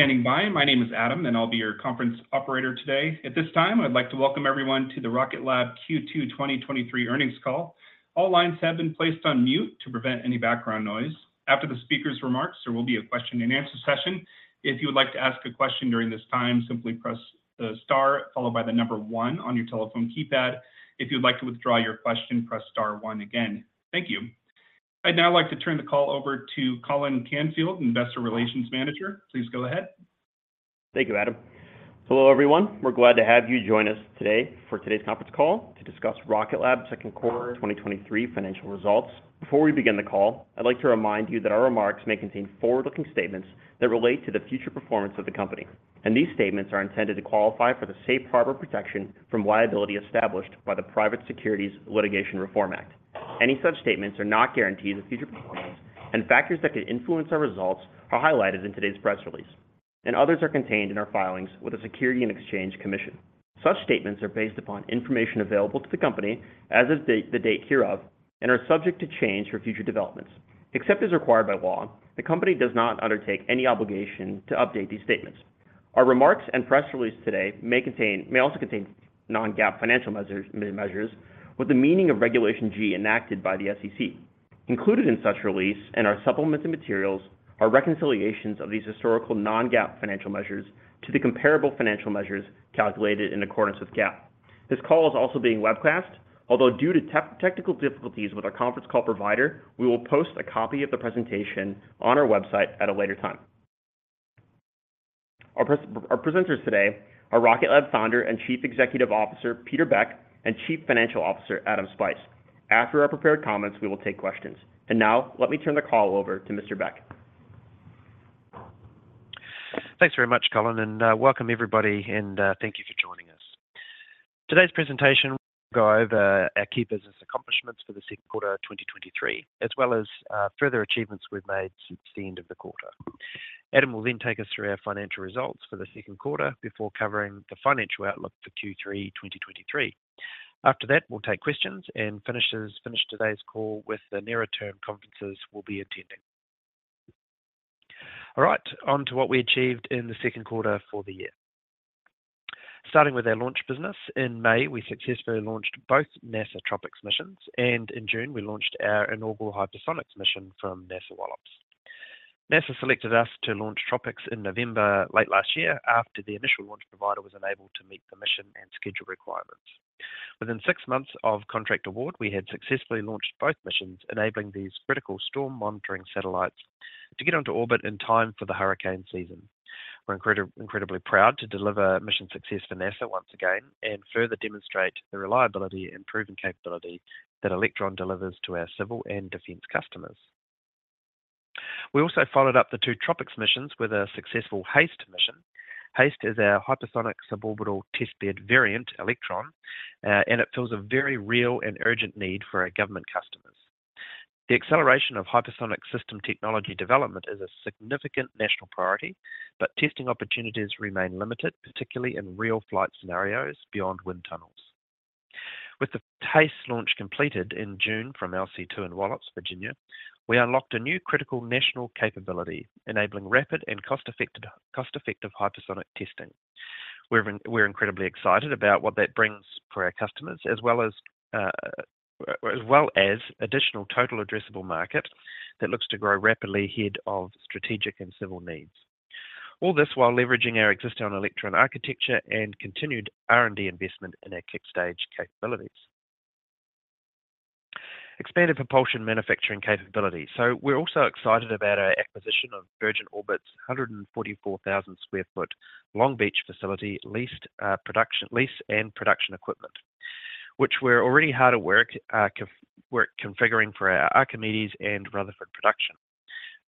Thank you for standing by. My name is Adam, and I'll be your conference operator today. At this time, I'd like to welcome everyone to the Rocket Lab Q2 2023 earnings call. All lines have been placed on mute to prevent any background noise. After the speaker's remarks, there will be a question and answer session. If you would like to ask a question during this time, simply press the star followed by one on your telephone keypad. If you'd like to withdraw your question, press star one again. Thank you. I'd now like to turn the call over to Colin Canfield, Investor Relations Manager. Please go ahead. Thank you, Adam. Hello, everyone. We're glad to have you join us today for today's conference call to discuss Rocket Lab second quarter 2023 financial results. Before we begin the call, I'd like to remind you that our remarks may contain forward-looking statements that relate to the future performance of the company. These statements are intended to qualify for the safe harbor protection from liability established by the Private Securities Litigation Reform Act. Any such statements are not guarantees of future performance. Factors that could influence our results are highlighted in today's press release, and others are contained in our filings with the Securities and Exchange Commission. Such statements are based upon information available to the company as of date, the date hereof, and are subject to change for future developments. Except as required by law, the company does not undertake any obligation to update these statements. Our remarks and press release today may also contain non-GAAP financial measures, measures with the meaning of Regulation G enacted by the SEC. Included in such release and our supplementary materials are reconciliations of these historical non-GAAP financial measures to the comparable financial measures calculated in accordance with GAAP. This call is also being webcast, although due to technical difficulties with our conference call provider, we will post a copy of the presentation on our website at a later time. Our presenters today are Rocket Lab Founder and Chief Executive Officer, Peter Beck, and Chief Financial Officer, Adam Spice. After our prepared comments, we will take questions. Now, let me turn the call over to Mr. Beck. Thanks very much, Colin, welcome, everybody, thank you for joining us. Today's presentation, we'll go over our key business accomplishments for the second quarter of 2023, as well as further achievements we've made since the end of the quarter. Adam will then take us through our financial results for the second quarter before covering the financial outlook for Q3 2023. After that, we'll take questions and finish today's call with the nearer-term conferences we'll be attending. All right, on to what we achieved in the second quarter for the year. Starting with our launch business, in May, we successfully launched both NASA TROPICS missions, and in June, we launched our inaugural hypersonics mission from NASA Wallops. NASA selected us to launch TROPICS in November, late last year, after the initial launch provider was unable to meet the mission and schedule requirements. Within six months of contract award, we had successfully launched both missions, enabling these critical storm monitoring satellites to get onto orbit in time for the hurricane season. We're incredibly, incredibly proud to deliver mission success for NASA once again and further demonstrate the reliability and proven capability that Electron delivers to our civil and defense customers. We also followed up the two TROPICS missions with a successful HASTE mission. HASTE is our Hypersonic Suborbital Testbed variant Electron, and it fills a very real and urgent need for our government customers. The acceleration of hypersonic system technology development is a significant national priority, but testing opportunities remain limited, particularly in real flight scenarios beyond wind tunnels. With the HASTE launch completed in June from LC-2 in Wallops, Virginia, we unlocked a new critical national capability, enabling rapid and cost-effective, cost-effective hypersonic testing. We're, we're incredibly excited about what that brings for our customers, as well as, as well as additional total addressable market that looks to grow rapidly ahead of strategic and civil needs. All this while leveraging our existing Electron architecture and continued R&D investment in our Kick Stage capabilities. Expanded propulsion manufacturing capability. We're also excited about our acquisition of Virgin Orbit's 144,000 sq ft Long Beach facility, leased production, lease, and production equipment, which we're already hard at work configuring for our Archimedes and Rutherford production.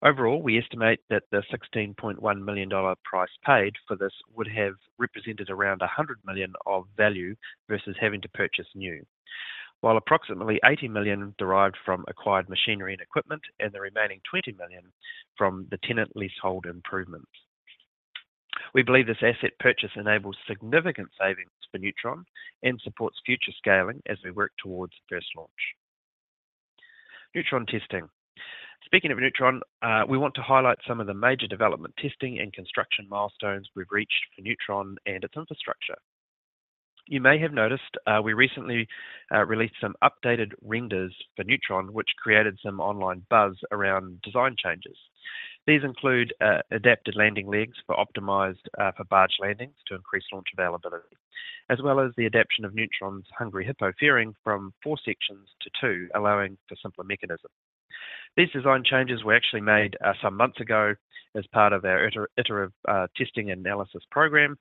Overall, we estimate that the $16.1 million price paid for this would have represented around $100 million of value versus having to purchase new, while approximately $80 million derived from acquired machinery and equipment, and the remaining $20 million from the tenant leasehold improvements. We believe this asset purchase enables significant savings for Neutron and supports future scaling as we work towards first launch. Neutron testing. Speaking of Neutron, we want to highlight some of the major development, testing, and construction milestones we've reached for Neutron and its infrastructure. You may have noticed, we recently released some updated renders for Neutron, which created some online buzz around design changes. These include adapted landing legs for optimized for barge landings to increase launch availability, as well as the adaption of Neutron's Hungry Hippo fairing from 4 sections to 2, allowing for simpler mechanism. These design changes were actually made some months ago as part of our iterative testing and analysis program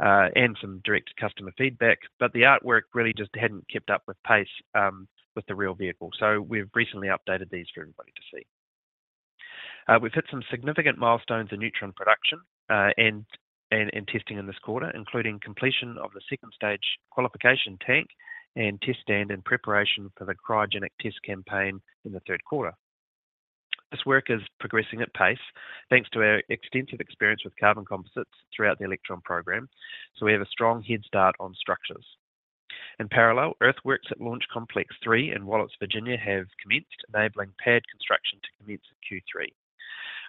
and some direct customer feedback, but the artwork really just hadn't kept up with pace with the real vehicle. We've recently updated these for everybody to see. We've hit some significant milestones in Neutron production, and testing in this quarter, including completion of the second stage qualification tank and test stand in preparation for the cryogenic test campaign in the third quarter. This work is progressing at pace, thanks to our extensive experience with carbon composites throughout the Electron program, we have a strong head start on structures. In parallel, Earthworks at Launch Complex three in Wallops, Virginia, have commenced enabling pad construction to commence in Q3.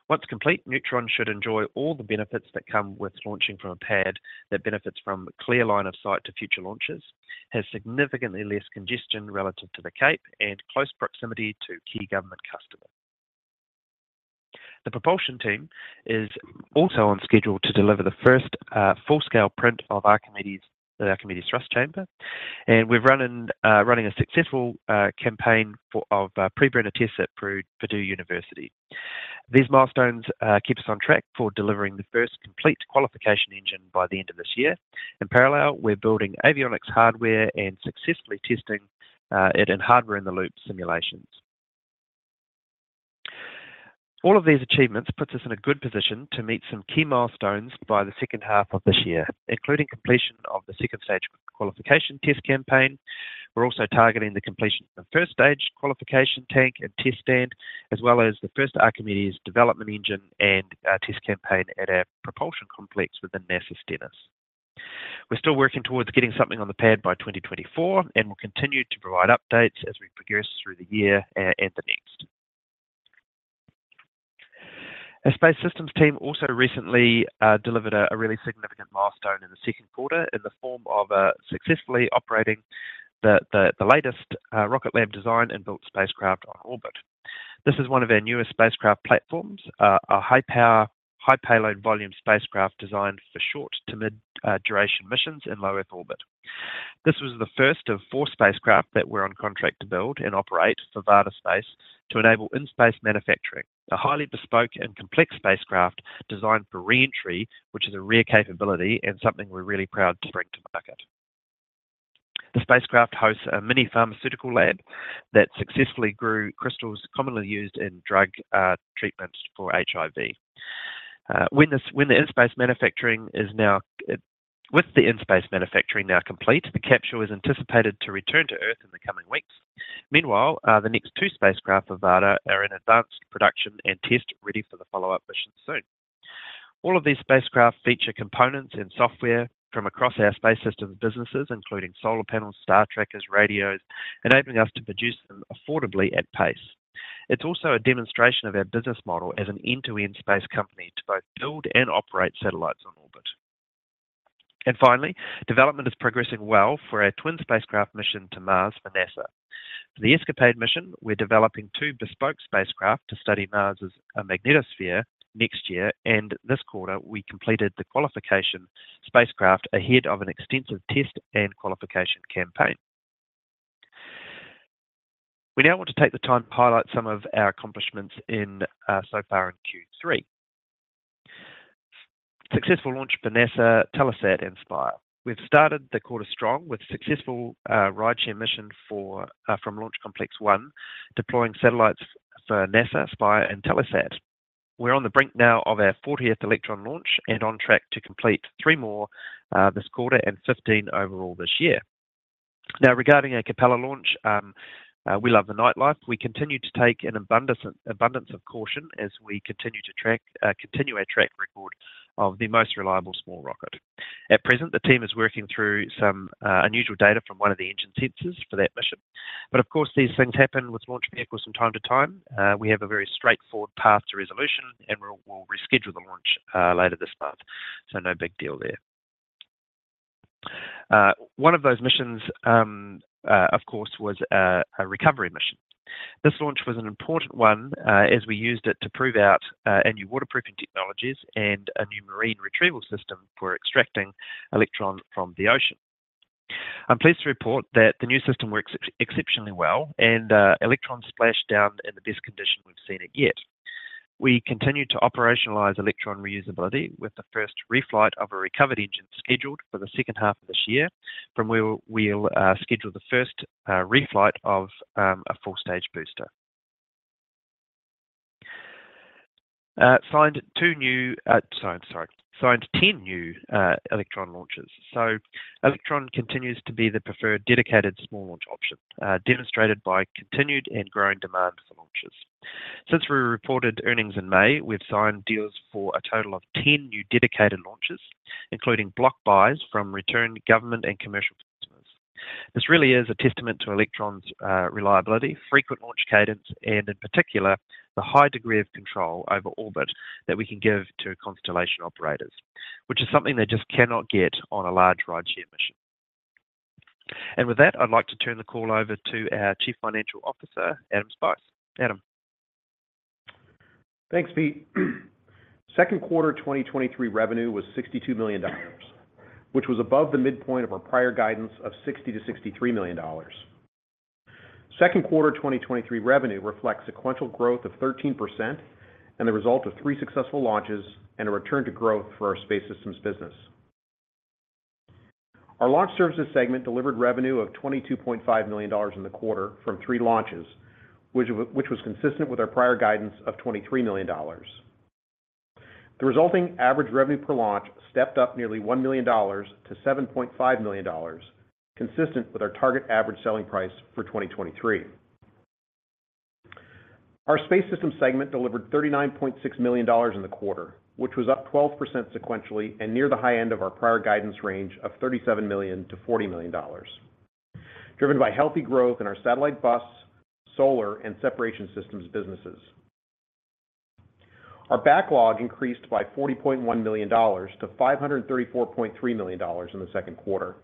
Once complete, Neutron should enjoy all the benefits that come with launching from a pad that benefits from a clear line of sight to future launches, has significantly less congestion relative to the Cape, and close proximity to key government customers. The propulsion team is also on schedule to deliver the first full-scale print of Archimedes, the Archimedes thrust chamber, and we're running a successful campaign of preburner tests at Purdue University. These milestones keep us on track for delivering the first complete qualification engine by the end of this year. In parallel, we're building avionics hardware and successfully testing it in hardware-in-the-loop simulations. All of these achievements puts us in a good position to meet some key milestones by the second half of this year, including completion of the second stage qualification test campaign. We're also targeting the completion of the first stage qualification tank and test stand, as well as the first Archimedes development engine and test campaign at our propulsion complex within NASA Stennis. We're still working towards getting something on the pad by 2024, and we'll continue to provide updates as we progress through the year and, and the next. Our space systems team also recently delivered a really significant milestone in the second quarter in the form of successfully operating the latest Rocket Lab designed and built spacecraft on orbit. This is one of our newest spacecraft platforms, a high power, high payload volume spacecraft designed for short to mid duration missions in low Earth orbit. This was the first of 4 spacecraft that we're on contract to build and operate for Varda Space to enable in-space manufacturing. A highly bespoke and complex spacecraft designed for re-entry, which is a rare capability and something we're really proud to bring to market. The spacecraft hosts a mini pharmaceutical lab that successfully grew crystals commonly used in drug treatments for HIV. With the in-space manufacturing now complete, the capsule is anticipated to return to Earth in the coming weeks. Meanwhile, the next two spacecraft for Varda are in advanced production and test, ready for the follow-up mission soon. All of these spacecraft feature components and software from across our space systems businesses, including solar panels, star trackers, radios, enabling us to produce them affordably at pace. It's also a demonstration of our business model as an end-to-end space company to both build and operate satellites on orbit. Finally, development is progressing well for our twin spacecraft mission to Mars for NASA. For the ESCAPADE mission, we're developing two bespoke spacecraft to study Mars's magnetosphere next year. This quarter, we completed the qualification spacecraft ahead of an extensive test and qualification campaign. We now want to take the time to highlight some of our accomplishments so far in Q3. Successful launch for NASA, Telesat, and Spire. We've started the quarter strong with a successful rideshare mission from Launch Complex One, deploying satellites for NASA, Spire, and Telesat. We're on the brink now of our 40th Electron launch. On track to complete 3 more this quarter and 15 overall this year. Regarding our Capella launch, We Love The Nightlife. We continue to take an abundance, abundance of caution as we continue to track, continue our track record of the most reliable small rocket. At present, the team is working through some unusual data from one of the engine sensors for that mission. Of course, these things happen with launch vehicles from time to time. We have a very straightforward path to resolution, and we'll, we'll reschedule the launch later this month. No big deal there. One of those missions, of course, was a recovery mission. This launch was an important one, as we used it to prove out our new waterproofing technologies and a new marine retrieval system for extracting Electron from the ocean. I'm pleased to report that the new system worked exceptionally well, and Electron splashed down in the best condition we've seen it yet. We continue to operationalize Electron reusability with the first reflight of a recovered engine scheduled for the second half of this year, from where we'll schedule the first reflight of a full stage booster. Signed two new, sorry, sorry, signed 10 new Electron launches. Electron continues to be the preferred dedicated small launch option, demonstrated by continued and growing demand for launches. Since we reported earnings in May, we've signed deals for a total of 10 new dedicated launches, including block buys from return government and commercial customers. This really is a testament to Electron's reliability, frequent launch cadence, and in particular, the high degree of control over orbit that we can give to constellation operators, which is something they just cannot get on a large rideshare mission. With that, I'd like to turn the call over to our Chief Financial Officer, Adam Spice. Adam? Thanks, Pete. Second quarter of 2023 revenue was $62 million, which was above the midpoint of our prior guidance of $60 million-$63 million. Second quarter of 2023 revenue reflects sequential growth of 13% and the result of three successful launches and a return to growth for our space systems business. Our launch services segment delivered revenue of $22.5 million in the quarter from three launches, which was consistent with our prior guidance of $23 million. The resulting average revenue per launch stepped up nearly $1 million to $7.5 million, consistent with our target average selling price for 2023. Our Space Systems segment delivered $39.6 million in the quarter, which was up 12% sequentially and near the high end of our prior guidance range of $37 million-$40 million, driven by healthy growth in our satellite bus, solar, and separation systems businesses. Our backlog increased by $40.1 million to $534.3 million in the second quarter.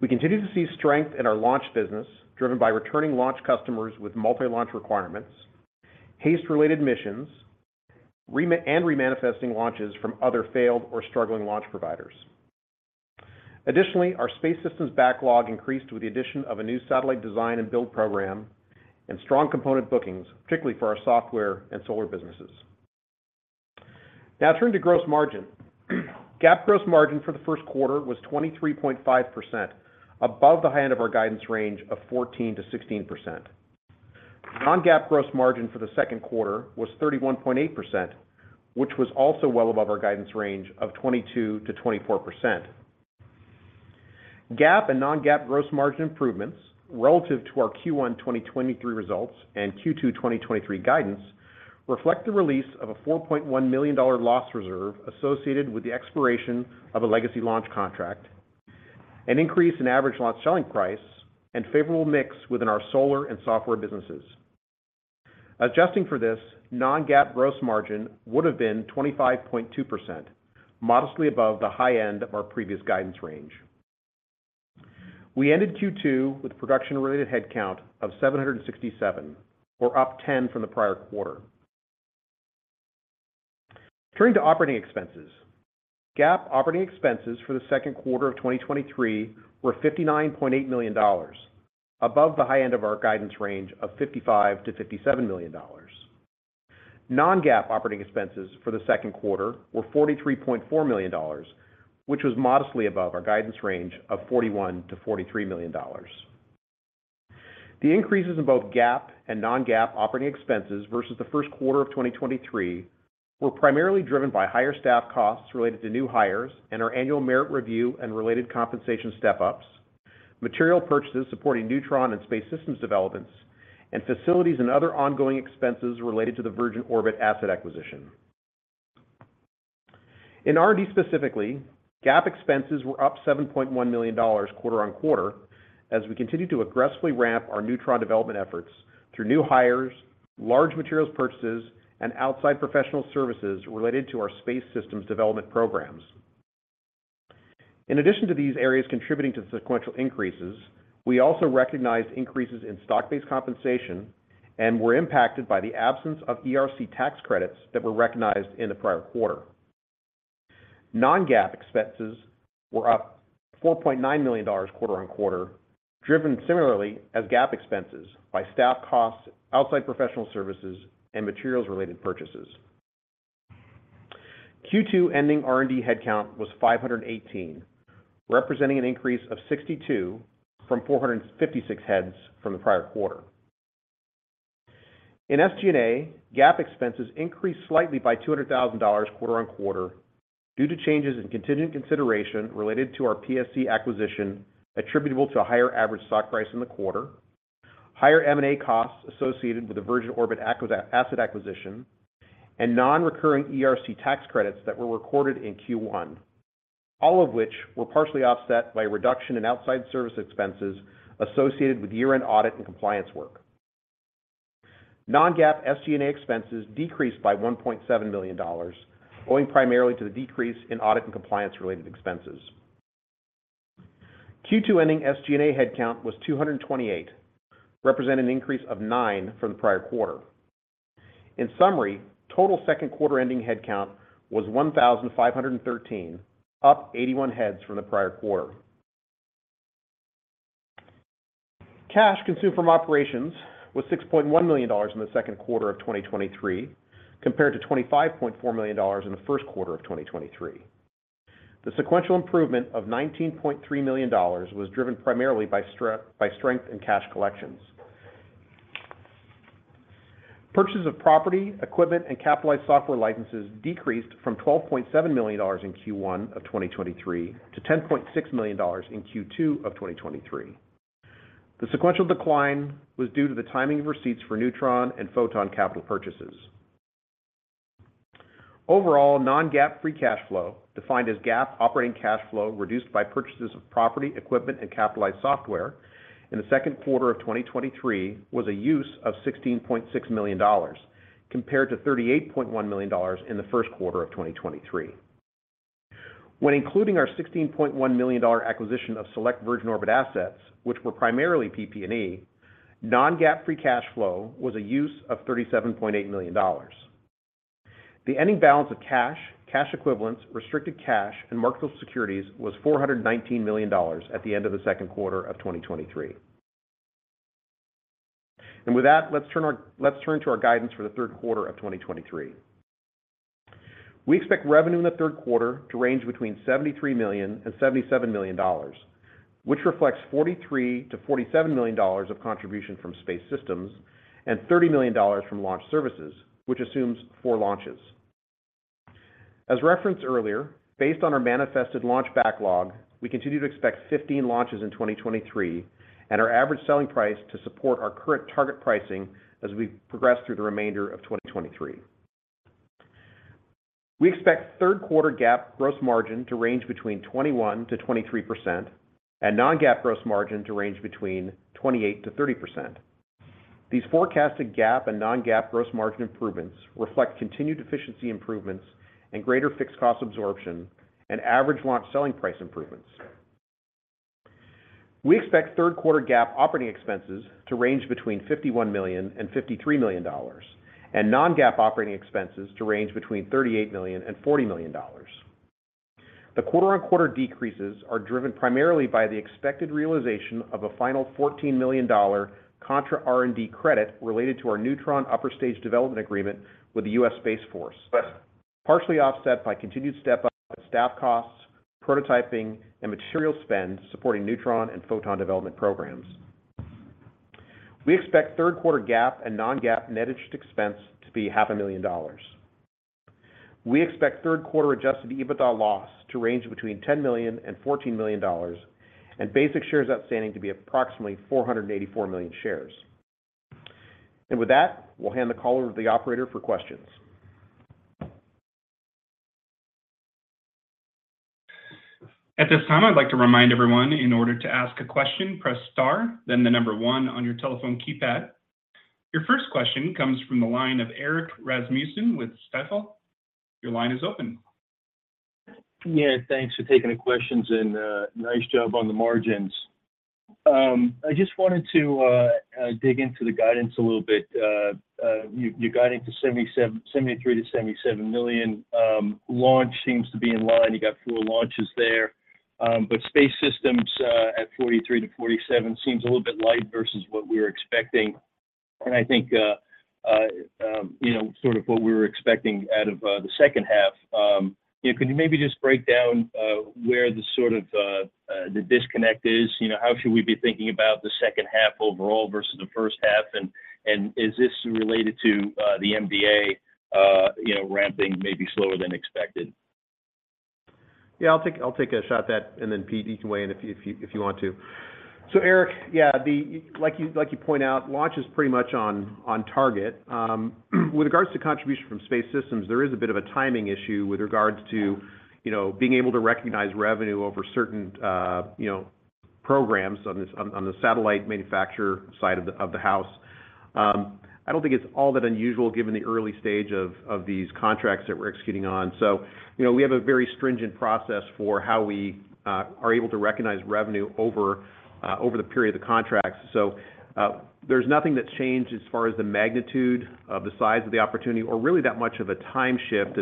We continue to see strength in our launch business, driven by returning launch customers with multi-launch requirements, HASTE-related missions, remanifesting launches from other failed or struggling launch providers. Our space systems backlog increased with the addition of a new satellite design and build program and strong component bookings, particularly for our software and solar businesses. Turning to gross margin. GAAP gross margin for the first quarter was 23.5%, above the high end of our guidance range of 14%-16%. Non-GAAP gross margin for the second quarter was 31.8%, which was also well above our guidance range of 22%-24%. GAAP and non-GAAP gross margin improvements relative to our Q1 2023 results and Q2 2023 guidance reflect the release of a $4.1 million loss reserve associated with the expiration of a legacy launch contract, an increase in average launch selling price, and favorable mix within our solar and software businesses. Adjusting for this, non-GAAP gross margin would have been 25.2%, modestly above the high end of our previous guidance range. We ended Q2 with production-related headcount of 767, or up 10 from the prior quarter. Turning to operating expenses. GAAP operating expenses for the second quarter of 2023 were $59.8 million, above the high end of our guidance range of $55 million-$57 million. Non-GAAP operating expenses for the second quarter were $43.4 million, which was modestly above our guidance range of $41 million-$43 million. The increases in both GAAP and non-GAAP operating expenses versus the first quarter of 2023 were primarily driven by higher staff costs related to new hires and our annual merit review and related compensation step-ups, material purchases supporting Neutron and Space Systems developments, and facilities and other ongoing expenses related to the Virgin Orbit asset acquisition. In R&D specifically, GAAP expenses were up $7.1 million quarter-on-quarter as we continued to aggressively ramp our Neutron development efforts through new hires, large materials purchases, and outside professional services related to our Space Systems development programs. In addition to these areas contributing to the sequential increases, we also recognized increases in stock-based compensation and were impacted by the absence of ERC tax credits that were recognized in the prior quarter. Non-GAAP expenses were up $4.9 million quarter-on-quarter, driven similarly as GAAP expenses by staff costs, outside professional services, and materials-related purchases. Q2 ending R&D headcount was 518, representing an increase of 62 from 456 heads from the prior quarter. In SG&A, GAAP expenses increased slightly by $200,000 quarter-on-quarter due to changes in contingent consideration related to our PSC acquisition, attributable to a higher average stock price in the quarter, higher M&A costs associated with the Virgin Orbit asset acquisition, and non-recurring ERC tax credits that were recorded in Q1, all of which were partially offset by a reduction in outside service expenses associated with year-end audit and compliance work. Non-GAAP SG&A expenses decreased by $1.7 million, owing primarily to the decrease in audit and compliance-related expenses. Q2 ending SG&A headcount was 228, representing an increase of nine from the prior quarter. In summary, total second quarter ending headcount was 1,513, up 81 heads from the prior quarter. Cash consumed from operations was $6.1 million in the second quarter of 2023, compared to $25.4 million in the first quarter of 2023. The sequential improvement of $19.3 million was driven primarily by strength in cash collections. Purchases of property, equipment, and capitalized software licenses decreased from $12.7 million in Q1 of 2023 to $10.6 million in Q2 of 2023. The sequential decline was due to the timing of receipts for Neutron and Photon capital purchases. Overall, non-GAAP free cash flow, defined as GAAP operating cash flow, reduced by purchases of property, equipment, and capitalized software in the second quarter of 2023, was a use of $16.6 million, compared to $38.1 million in the first quarter of 2023. When including our $16.1 million acquisition of select Virgin Orbit assets, which were primarily PP&E, non-GAAP free cash flow was a use of $37.8 million. The ending balance of cash, cash equivalents, restricted cash, and marketable securities was $419 million at the end of the second quarter of 2023. With that, let's turn to our guidance for the third quarter of 2023. We expect revenue in the third quarter to range between $73 million and $77 million, which reflects $43 million-$47 million of contribution from Space Systems and $30 million from launch services, which assumes 4 launches. As referenced earlier, based on our manifested launch backlog, we continue to expect 15 launches in 2023, and our average selling price to support our current target pricing as we progress through the remainder of 2023. We expect third quarter GAAP gross margin to range between 21%-23% and non-GAAP gross margin to range between 28%-30%. These forecasted GAAP and non-GAAP gross margin improvements reflect continued efficiency improvements and greater fixed cost absorption and average launch selling price improvements. We expect third quarter GAAP operating expenses to range between $51 million and $53 million, and non-GAAP operating expenses to range between $38 million and $40 million. The quarter-on-quarter decreases are driven primarily by the expected realization of a final $14 million contra R&D credit related to our Neutron upper stage development agreement with the U.S. Space Force, partially offset by continued step up of staff costs, prototyping, and material spend supporting Neutron and Photon development programs. We expect third quarter GAAP and non-GAAP net interest expense to be $500,000. We expect third quarter adjusted EBITDA loss to range between $10 million and $14 million, and basic shares outstanding to be approximately 484 million shares. With that, we'll hand the call over to the operator for questions. At this time, I'd like to remind everyone, in order to ask a question, press star, then the 1 on your telephone keypad. Your first question comes from the line of Erik Rasmussen with Stifel. Your line is open. Yeah, thanks for taking the questions and nice job on the margins. I just wanted to dig into the guidance a little bit. You, you got into $73 million-$77 million. Launch seems to be in line. You got 4 launches there. Space systems, at $43 million-$47 million, seems a little bit light versus what we were expecting. I think, you know, sort of what we were expecting out of the second half. Yeah, could you maybe just break down where the sort of the disconnect is? You know, how should we be thinking about the second half overall versus the first half, and is this related to the MDA, you know, ramping maybe slower than expected? Yeah, I'll take, I'll take a shot at that, and then, Pete, you can weigh in if you want to. Eric, yeah, like you, like you point out, launch is pretty much on, on target. With regards to contribution from space systems, there is a bit of a timing issue with regards to, you know, being able to recognize revenue over certain, you know, programs on the, on, on the satellite manufacturer side of the, of the house. I don't think it's all that unusual, given the early stage of, of these contracts that we're executing on. You know, we have a very stringent process for how we are able to recognize revenue over the period of the contracts. There's nothing that's changed as far as the magnitude of the size of the opportunity or really that much of a time shift.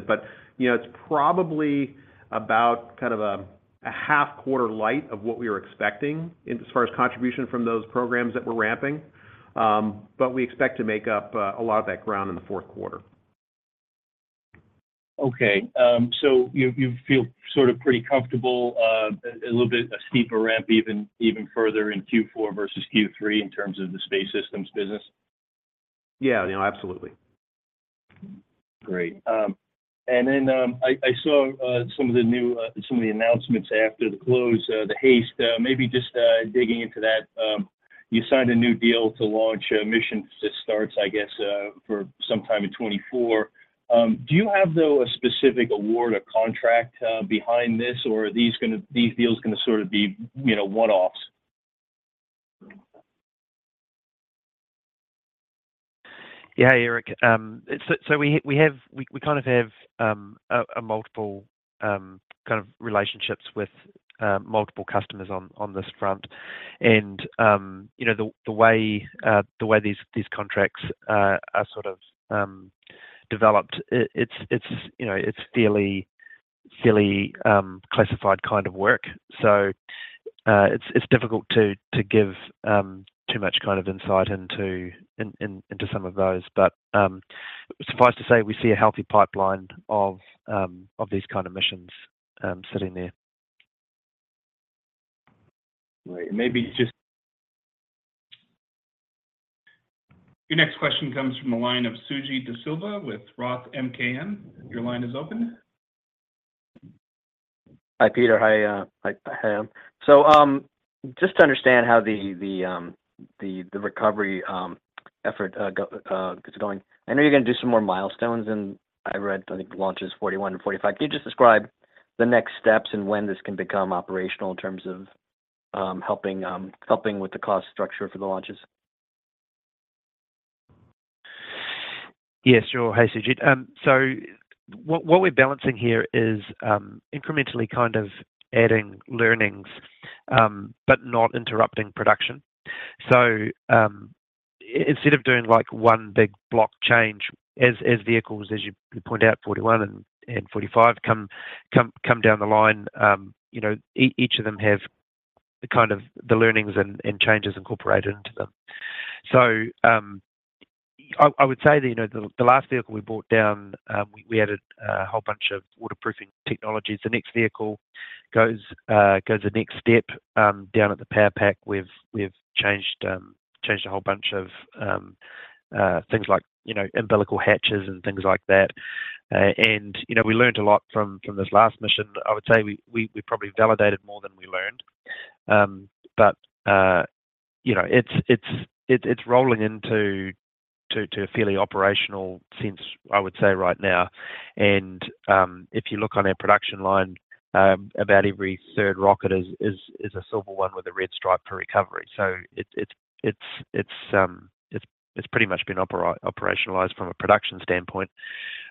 You know, it's probably about kind of a, a half quarter light of what we were expecting in as far as contribution from those programs that we're ramping. We expect to make up a lot of that ground in the fourth quarter. Okay, you, you feel sort of pretty comfortable, a little bit a steeper ramp, even, even further in Q4 versus Q3 in terms of the space systems business? Yeah, you know, absolutely. Great. I saw some of the new, some of the announcements after the close, the HASTE. Maybe just digging into that. You signed a new deal to launch a mission that starts, I guess, for sometime in 2024. Do you have, though, a specific award or contract behind this, or are these gonna these deals gonna sort of be, you know, one-offs? Yeah, Erik, so we, we have we, we kind of have a multiple kind of relationships with multiple customers on this front. You know, the way the way these contracts are sort of developed, it's you know, it's fairly classified kind of work. It's difficult to give too much kind of insight into in into some of those. Suffice to say, we see a healthy pipeline of of these kind of missions sitting there. Right. Maybe. Your next question comes from the line of Sujit DeSilva with Roth MKM. Your line is open. Hi, Peter. Hi, Adam. Just to understand how the recovery effort is going. I know you're going to do some more milestones, and I read, I think, launches 41 to 45. Can you just describe the next steps and when this can become operational in terms of helping with the cost structure for the launches? Yes, sure. Hey, Sujit. What, what we're balancing here is incrementally kind of adding learnings, but not interrupting production. Instead of doing, like, 1 big block change, as, as vehicles, as you pointed out, 41 and, and 45 come, come, come down the line, you know, each of them have the kind of the learnings and, and changes incorporated into them. I, I would say that, you know, the, the last vehicle we brought down, we, we added a whole bunch of waterproofing technologies. The next vehicle-... goes, goes the next step. Down at the power pack, we've, we've changed, changed a whole bunch of things like, you know, umbilical hatches and things like that. You know, we learned a lot from, from this last mission. I would say we probably validated more than we learned. You know, it's rolling into a fairly operational sense, I would say, right now. If you look on our production line, about every 3rd rocket is a silver one with a red stripe for recovery. It's pretty much been operationalized from a production standpoint.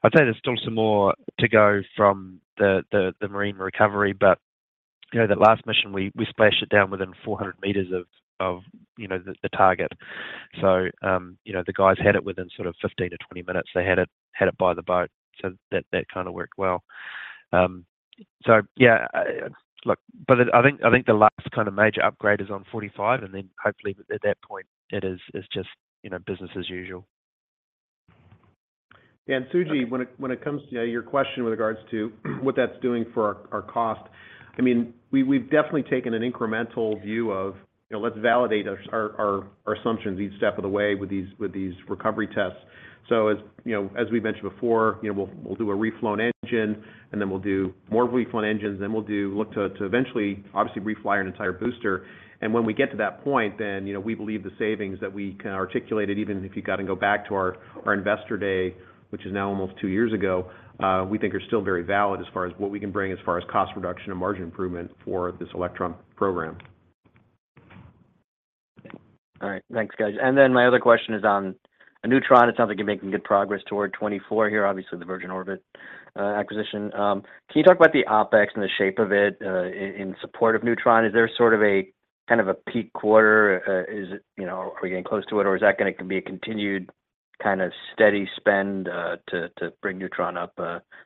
I'd say there's still some more to go from the marine recovery, you know, that last mission, we splashed it down within 400 meters of, you know, the target. You know, the guys had it within sort of 15-20 minutes. They had it by the boat, that kind of worked well. Yeah, look, but I think, I think the last kind of major upgrade is on 45, and then hopefully at that point, it is, is just, you know, business as usual. Suji, when it comes to your question with regards to what that's doing for our, our cost, I mean, we've definitely taken an incremental view of, you know, let's validate our, our, our, our assumptions each step of the way with these, with these recovery tests. As, you know, as we mentioned before, you know, we'll, we'll do a reflown engine, and then we'll do more reflown engines. We'll look to, to eventually obviously refly an entire booster. When we get to that point, then, you know, we believe the savings that we can articulate it, even if you've got to go back to our, our investor day, which is now almost 2 years ago, we think are still very valid as far as what we can bring as far as cost reduction and margin improvement for this Electron program. All right. Thanks, guys. Then my other question is on a Neutron. It sounds like you're making good progress toward 2024 here, obviously, the Virgin Orbit acquisition. Can you talk about the OpEx and the shape of it in support of Neutron? Is there sort of a, kind of a peak quarter? Is it, you know, are we getting close to it, or is that gonna be a continued kind of steady spend to bring Neutron up?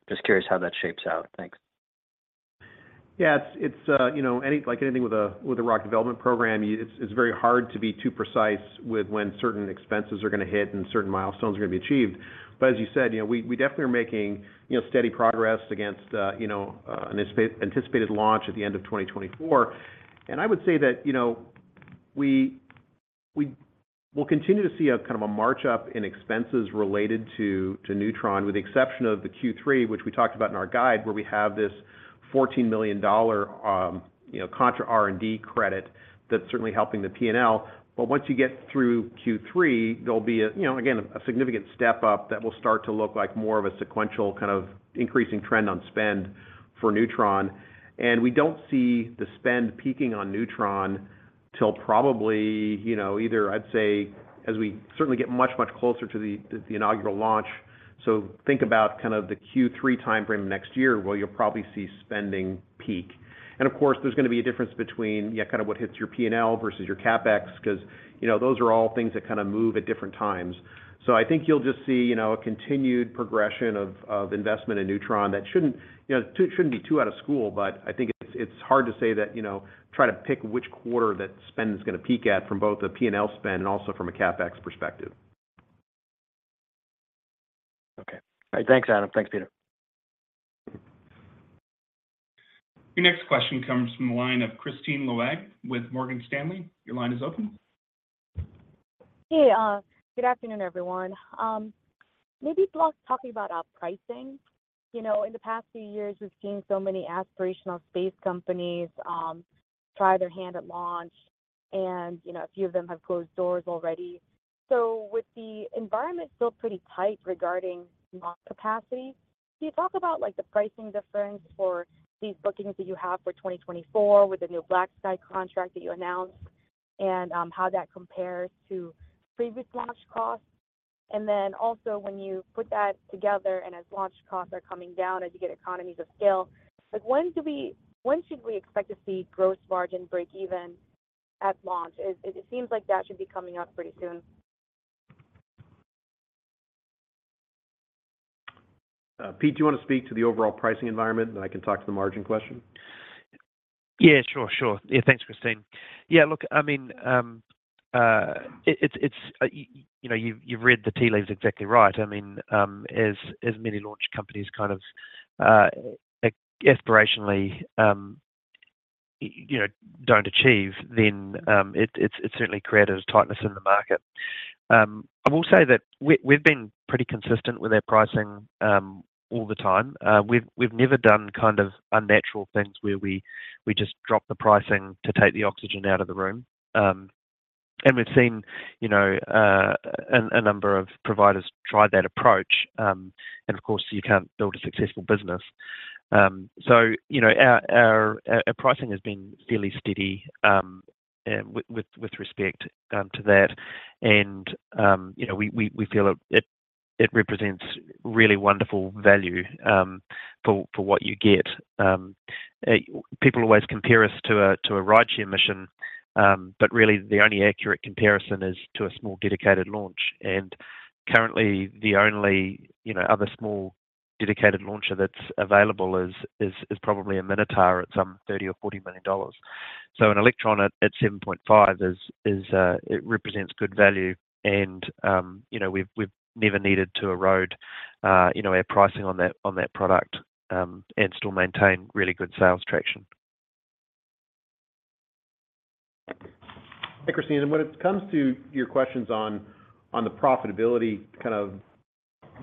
Just curious how that shapes out. Thanks. Yeah, it's, it's, you know, any, like anything with a, with a rocket development program, it's, it's very hard to be too precise with when certain expenses are gonna hit and certain milestones are gonna be achieved. As you said, you know, we, we definitely are making, you know, steady progress against, you know, an anticipated launch at the end of 2024. I would say that, you know, we, we will continue to see a kind of a march up in expenses related to, to Neutron, with the exception of the Q3, which we talked about in our guide, where we have this $14 million, you know, contra R&D credit. That's certainly helping the PNL. Once you get through Q3, there'll be a, you know, again, a significant step up that will start to look like more of a sequential kind of increasing trend on spend for Neutron. We don't see the spend peaking on Neutron till probably, you know, either I'd say as we certainly get much, much closer to the inaugural launch. Think about kind of the Q3 time frame of next year, where you'll probably see spending peak. Of course, there's gonna be a difference between, yeah, kind of what hits your PNL versus your CapEx, because, you know, those are all things that kind of move at different times. I think you'll just see, you know, a continued progression of investment in Neutron. That shouldn't, you know, shouldn't be too out of school, but I think it's, it's hard to say that, you know, try to pick which quarter that spend is gonna peak at from both a PNL spend and also from a CapEx perspective. Okay. All right. Thanks, Adam. Thanks, Peter. Your next question comes from the line of Kristine Liwag with Morgan Stanley. Your line is open. Hey, good afternoon, everyone. Maybe talk, talking about our pricing. You know, in the past few years, we've seen so many aspirational space companies, try their hand at launch, and, you know, a few of them have closed doors already. With the environment still pretty tight regarding launch capacity, can you talk about, like, the pricing difference for these bookings that you have for 2024 with the new BlackSky contract that you announced and how that compares to previous launch costs? When you put that together and as launch costs are coming down, as you get economies of scale, like, when should we expect to see gross margin break even at launch? It seems like that should be coming up pretty soon. Pete, do you want to speak to the overall pricing environment, and I can talk to the margin question? Yeah, sure, sure. Yeah. Thanks, Christine. Yeah, look, I mean, it, you know, you've read the tea leaves exactly right. I mean, as, as many launch companies kind of, aspirationally, you know, don't achieve, it's certainly created a tightness in the market. I will say that we, we've been pretty consistent with our pricing, all the time. We've, we've never done kind of unnatural things, where we, we just drop the pricing to take the oxygen out of the room. We've seen, you know, a number of providers try that approach, and of course, you can't build a successful business. You know, our pricing has been fairly steady, with respect, to that. You know, we feel it represents really wonderful value for what you get. People always compare us to a rideshare mission, but really, the only accurate comparison is to a small, dedicated launch. Currently, the only, you know, other small dedicated launcher that's available is probably a Minotaur at some $30 million-$40 million. An Electron at, at $7.5 million is, it represents good value. You know, we've never needed to erode, you know, our pricing on that, on that product and still maintain really good sales traction. Hey, Christine, when it comes to your questions on, on the profitability kind of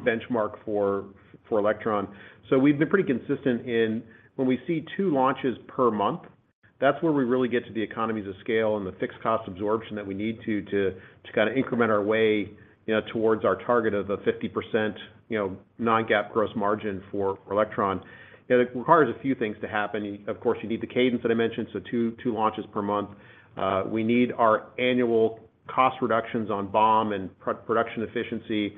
benchmark for, for Electron, we've been pretty consistent in when we see 2 launches per month, that's where we really get to the economies of scale and the fixed cost absorption that we need to kind of increment our way, you know, towards our target of a 50%, you know, non-GAAP gross margin for Electron. It requires a few things to happen. Of course, you need the cadence that I mentioned, so 2 launches per month. We need our annual cost reductions on BOM and pro- production efficiency.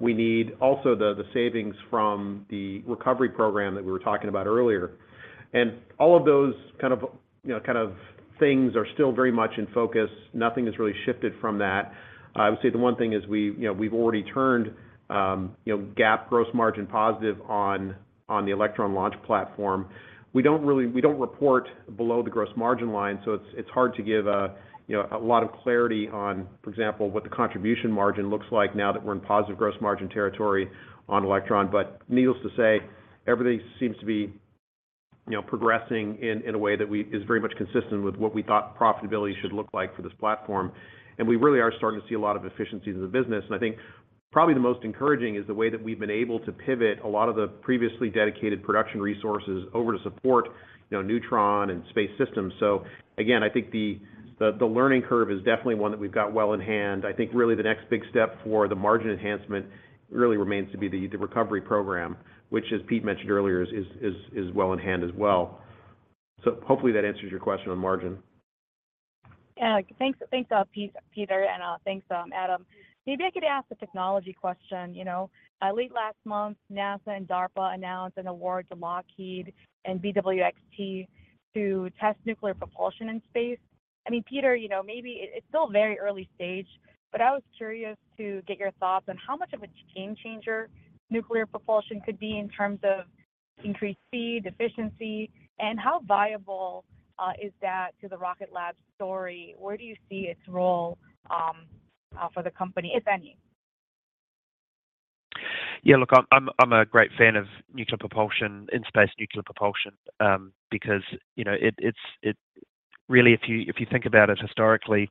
We need also the, the savings from the recovery program that we were talking about earlier. All of those kind of, you know, kind of things are still very much in focus. Nothing has really shifted from that. I would say the one thing is we, you know, we've already turned, you know, GAAP gross margin positive on, on the Electron launch platform. We don't really, we don't report below the gross margin line, so it's, it's hard to give a, you know, a lot of clarity on, for example, what the contribution margin looks like now that we're in positive gross margin territory on Electron. Needless to say, everything seems to be, you know, progressing in, in a way that is very much consistent with what we thought profitability should look like for this platform. We really are starting to see a lot of efficiencies in the business. I think probably the most encouraging is the way that we've been able to pivot a lot of the previously dedicated production resources over to support, you know, Neutron and Space Systems. Again, I think the learning curve is definitely one that we've got well in hand. I think really the next big step for the margin enhancement really remains to be the, the recovery program, which, as Pete mentioned earlier, is well in hand as well. Hopefully that answers your question on margin. Thanks, thanks, Peter, and thanks, Adam. Maybe I could ask a technology question. You know, late last month, NASA and DARPA announced an award to Lockheed and BWXT to test nuclear propulsion in space. I mean, Peter, you know, maybe it, it's still very early stage, but I was curious to get your thoughts on how much of a game changer nuclear propulsion could be in terms of increased speed, efficiency, and how viable is that to the Rocket Lab story? Where do you see its role for the company, if any? Yeah, look, I'm a great fan of nuclear propulsion, in-space nuclear propulsion, because, you know, it's really, if you, if you think about it historically,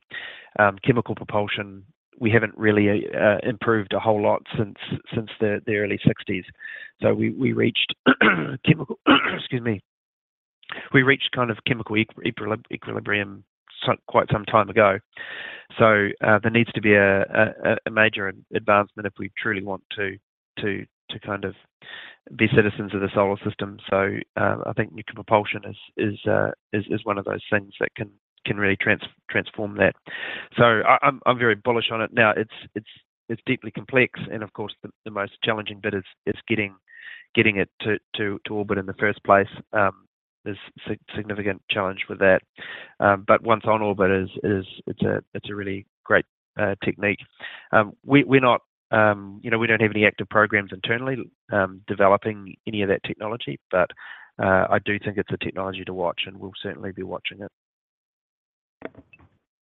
chemical propulsion, we haven't really improved a whole lot since, since the, the early sixties. We, we reached chemical excuse me. We reached kind of chemical eq- equili- equilibrium some, quite some time ago. There needs to be a major advancement if we truly want to, to, to kind of be citizens of the solar system. I think nuclear propulsion is, is, is one of those things that can, can really trans-transform that. I'm very bullish on it. Now, it's deeply complex, and of course, the, the most challenging bit is, is getting, getting it to orbit in the first place. There's sig-significant challenge with that. Once on orbit it's a, it's a really great technique. We, we're not. You know, we don't have any active programs internally, developing any of that technology, but I do think it's a technology to watch, and we'll certainly be watching it.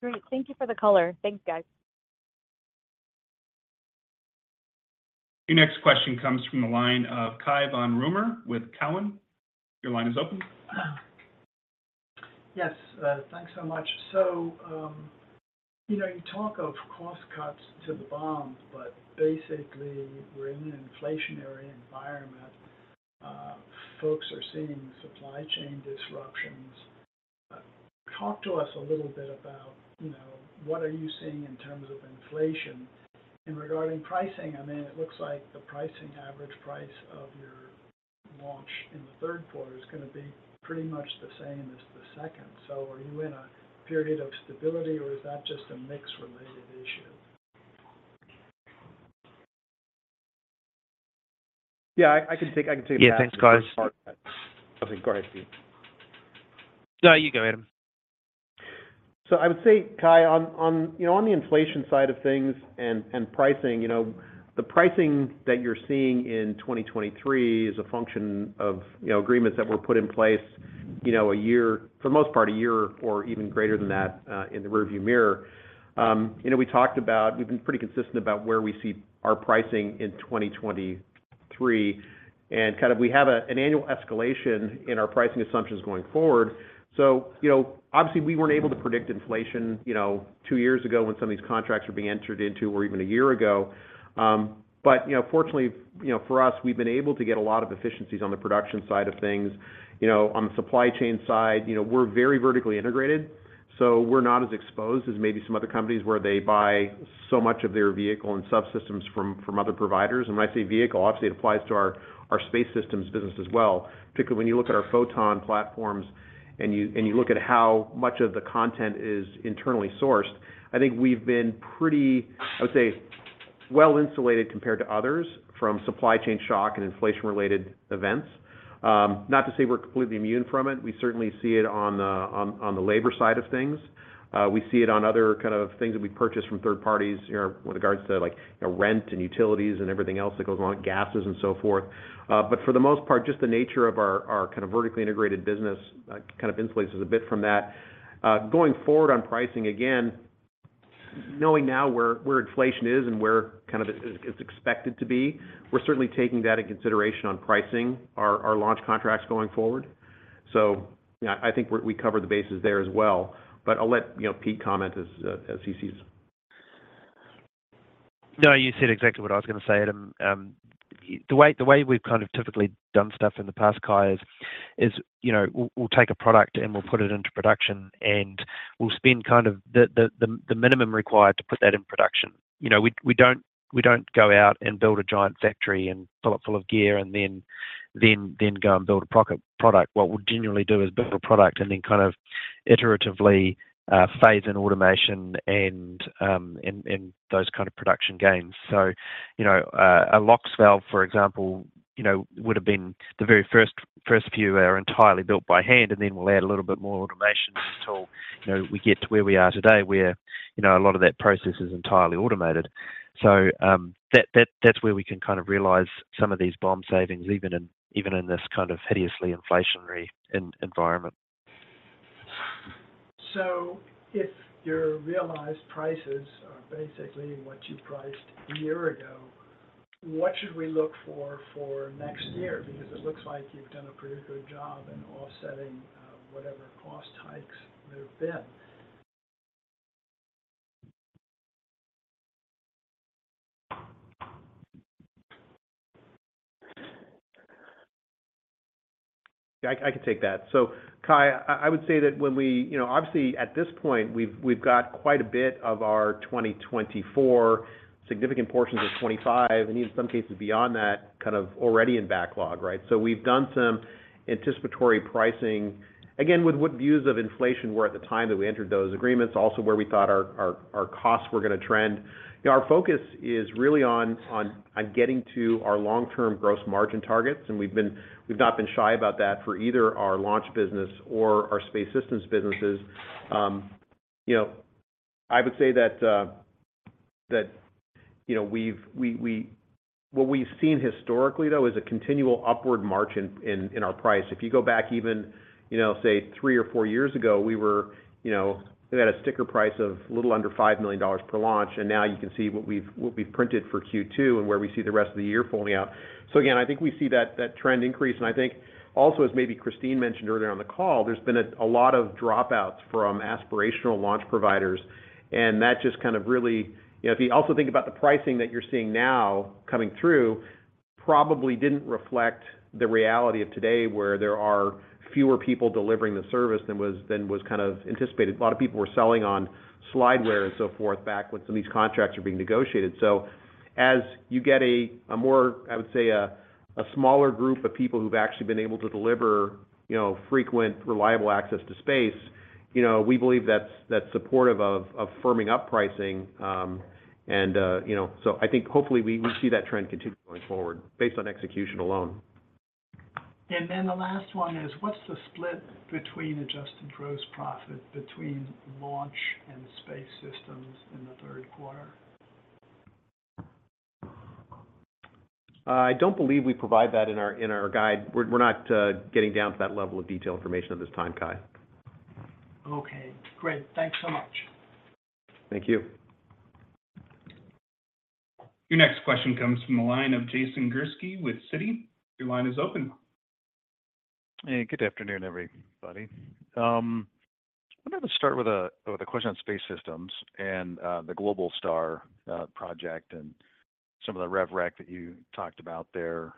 Great. Thank you for the color. Thanks, guys. Your next question comes from the line of Cai von Rumohr with Cowen. Your line is open. Yes, thanks so much. You know, you talk of cost cuts to the BOM, but basically, we're in an inflationary environment. Folks are seeing supply chain disruptions. Talk to us a little bit about, you know, what are you seeing in terms of inflation? Regarding pricing, I mean, it looks like the pricing, average price of your launch in the third quarter is gonna be pretty much the same as the second. Are you in a period of stability, or is that just a mix-related issue? Yeah, I can take that. Yeah, thanks, Cai. Okay, go ahead, Pete. No, you go, Adam. I would say, Cai, you know, on the inflation side of things and, and pricing, you know, the pricing that you're seeing in 2023 is a function of, you know, agreements that were put in place, you know, one year, for the most part, one year or even greater than that, in the rearview mirror. You know, we've been pretty consistent about where we see our pricing in 2023, and kind of we have an annual escalation in our pricing assumptions going forward. You know, obviously, we weren't able to predict inflation, you know, two years ago when some of these contracts were being entered into, or even one year ago. But, you know, fortunately, you know, for us, we've been able to get a lot of efficiencies on the production side of things. You know, on the supply chain side, you know, we're very vertically integrated, so we're not as exposed as maybe some other companies, where they buy so much of their vehicle and subsystems from, from other providers. When I say vehicle, obviously, it applies to our, our space systems business as well. Particularly when you look at our Photon platforms and you, and you look at how much of the content is internally sourced, I think we've been pretty, I would say, well-insulated compared to others from supply chain shock and inflation-related events. Not to say we're completely immune from it. We certainly see it on the labor side of things. We see it on other kind of things that we purchase from third parties, you know, with regards to, like, rent and utilities and everything else that goes along, gases and so forth. For the most part, just the nature of our, our kind of vertically integrated business, kind of insulates us a bit from that. Going forward on pricing, again, knowing now where, where inflation is and where kind of it's, it's expected to be, we're certainly taking that in consideration on pricing our, our launch contracts going forward. Yeah, I think we're, we covered the bases there as well. I'll let, you know, Pete comment as, as he sees. No, you said exactly what I was gonna say, Adam. The way, the way we've kind of typically done stuff in the past, Cai, is, you know, we'll take a product and we'll put it into production, and we'll spend kind of the minimum required to put that in production. You know, we don't, we don't go out and build a giant factory and fill it full of gear and then, then, then go and build a product. What we'll generally do is build a product and then kind of iteratively, phase in automation and, and, and those kind of production gains. You know, a LOX valve, for example, you know, would have been the very first, are entirely built by hand, and then we'll add a little bit more automation until, you know, we get to where we are today, where, you know, a lot of that process is entirely automated. That's where we can kind of realize some of these BOM savings, even in this kind of hideously inflationary environment. If your realized prices are basically what you priced a year ago, what should we look for for next year? Because it looks like you've done a pretty good job in offsetting whatever cost hikes there have been. Yeah, I can take that. Cai, I would say that when we, you know, obviously, at this point, we've, we've got quite a bit of our 2024, significant portions of 2025, and even some cases beyond that, kind of already in backlog, right? We've done some anticipatory pricing, again, with what views of inflation were at the time that we entered those agreements, also where we thought our costs were gonna trend. You know, our focus is really on getting to our long-term gross margin targets, and we've been, we've not been shy about that for either our launch business or our space systems businesses. You know, I would say that, you know, we've what we've seen historically, though, is a continual upward march in our price. If you go back even, you know, say, three or four years ago, we were, you know, we had a sticker price of a little under $5 million per launch. Now you can see what we've, what we've printed for Q2 and where we see the rest of the year folding out. Again, I think we see that, that trend increase. I think also, as maybe Kristine mentioned earlier on the call, there's been a lot of dropouts from aspirational launch providers, and that just kind of really. You know, if you also think about the pricing that you're seeing now coming through, probably didn't reflect the reality of today, where there are fewer people delivering the service than was kind of anticipated. A lot of people were selling on slideware and so forth back when some of these contracts were being negotiated. As you get a more, I would say, a smaller group of people who've actually been able to deliver, you know, frequent, reliable access to space, you know, we believe that's supportive of firming up pricing. I think hopefully we see that trend continuing going forward, based on execution alone. The last one is, what's the split between adjusted gross profit between launch and space systems in the third quarter? I don't believe we provide that in our, in our guide. We're, we're not getting down to that level of detail information at this time, Cai. Okay, great. Thanks so much. Thank you. Your next question comes from the line of Jason Gursky with Citi. Your line is open. Hey, good afternoon, everybody. I'm gonna start with a question on space systems and the Globalstar project and some of the rev rec that you talked about there.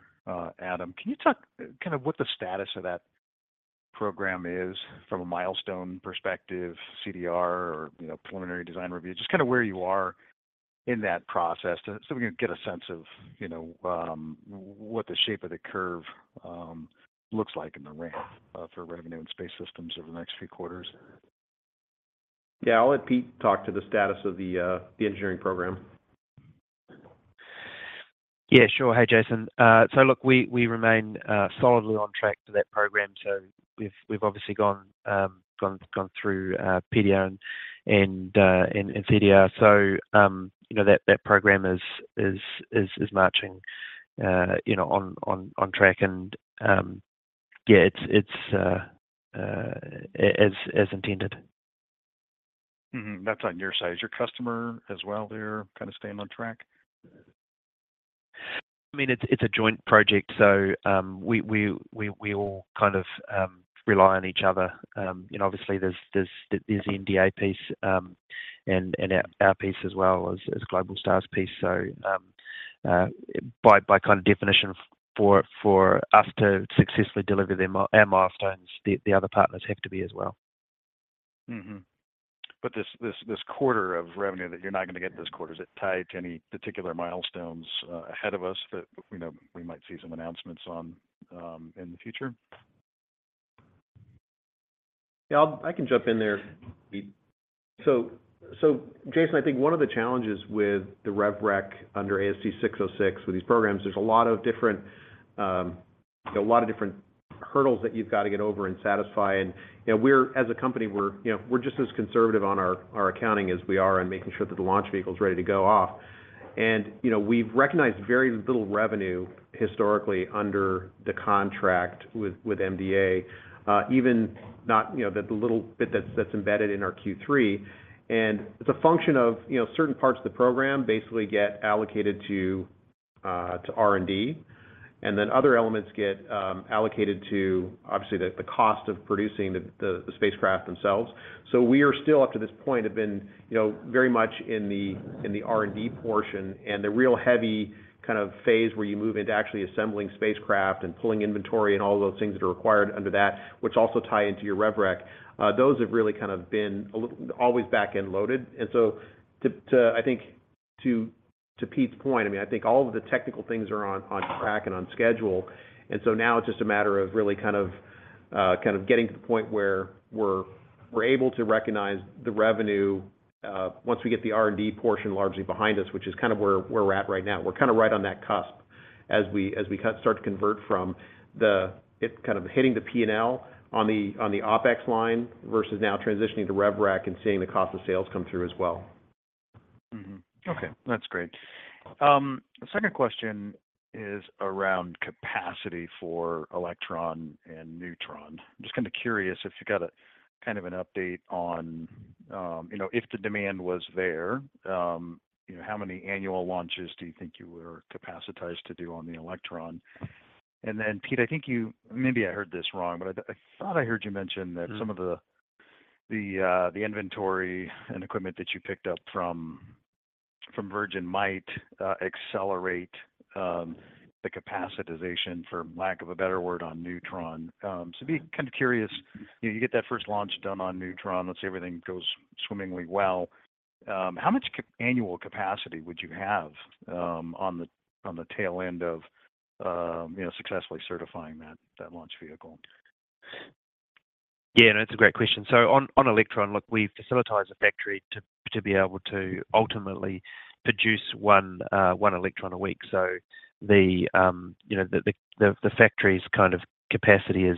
Adam, can you talk kind of what the status of that program is from a milestone perspective, CDR or, you know, preliminary design review? Just kind of where you are in that process so we can get a sense of, you know, what the shape of the curve looks like in the ramp for revenue and space systems over the next few quarters. Yeah, I'll let Pete talk to the status of the, the engineering program. Yeah, sure. Hey, Jason. So look, we, we remain solidly on track for that program. We've, we've obviously gone, gone, gone through PDR and CDR. You know, that program is marching, you know, on track and, yeah, it's as intended. Mm-hmm. That's on your side. Is your customer as well, they're kind of staying on track? I mean, it's a joint project, so we all kind of rely on each other. You know, obviously there's, there's, there's the NDA piece, and our, our piece as well as Globalstar's piece. By, by kind of definition, for us to successfully deliver their our milestones, the other partners have to be as well. This, this, this quarter of revenue, that you're not gonna get this quarter, is it tied to any particular milestones ahead of us that we know we might see some announcements on in the future? Yeah, I can jump in there, Pete. Jason, I think one of the challenges with the rev rec under ASC 606, with these programs, there's a lot of different, a lot of different hurdles that you've got to get over and satisfy. You know, we're, as a company, we're, you know, we're just as conservative on our, our accounting as we are on making sure that the launch vehicle is ready to go off. You know, we've recognized very little revenue historically under the contract with, with MDA, even not, you know, the little bit that's, that's embedded in our Q3. It's a function of, you know, certain parts of the program basically get allocated to R&D, and then other elements get allocated to, obviously, the, the cost of producing the, the, the spacecraft themselves. We are still, up to this point, have been, you know, very much in the, in the R&D portion. The real heavy kind of phase, where you move into actually assembling spacecraft and pulling inventory and all those things that are required under that, which also tie into your rev rec, those have really kind of been a little always back-end loaded. To, I think, to Pete's point, I mean, I think all of the technical things are on, on track and on schedule. Now it's just a matter of really kind of, kind of getting to the point where we're, we're able to recognize the revenue, once we get the R&D portion largely behind us, which is kind of where, where we're at right now. We're kind of right on that cusp as we, as we kind of start to convert from it kind of hitting the P&L on the, on the OpEx line versus now transitioning to rev rec and seeing the cost of sales come through as well. Mm-hmm. Okay, that's great. The second question is around capacity for Electron and Neutron. I'm just kind of curious if you've got a kind of an update on, you know, if the demand was there, you know, how many annual launches do you think you were capacitized to do on the Electron? Then, Pete, I think Maybe I heard this wrong, but I thought I heard you mention- Mm-hmm That some of the, the, the inventory and equipment that you picked up from, from Virgin Orbit might accelerate the capacitization, for lack of a better word, on Neutron. Mm-hmm. Be kind of curious, you know, you get that first launch done on Neutron, let's say everything goes swimmingly well, how much annual capacity would you have, on the, on the tail end of, you know, successfully certifying that, that launch vehicle? Yeah, that's a great question. On, on Electron, look, we've facilitized a factory to be able to ultimately produce 1 Electron a week. The, you know, the factory's kind of capacity is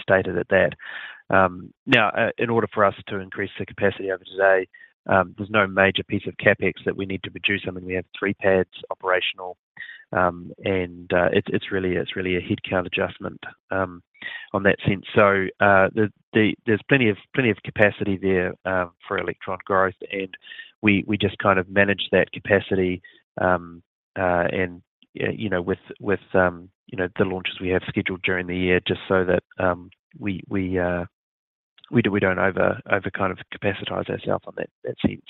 stated at that. Now, in order for us to increase the capacity over today, there's no major piece of CapEx that we need to produce something. We have three pads operational, and it's really, it's really a headcount adjustment on that sense. There's plenty of, plenty of capacity there for Electron growth, and we, we just kind of manage that capacity, and, you know, with, with, you know, the launches we have scheduled during the year, just so that we, we don't over, overkind of capacitize ourself on that, that sense.